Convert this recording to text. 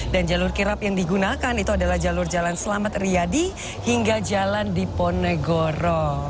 dan jalur kirap yang digunakan itu adalah jalur jalan selamat riyadi hingga jalan diponegoro